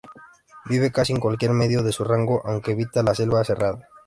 Vive casi en cualquier medio de su rango, aunque evita la selva cerrada.